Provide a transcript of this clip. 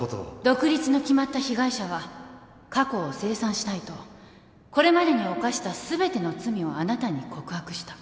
独立の決まった被害者は過去を清算したいとこれまでに犯した全ての罪をあなたに告白した。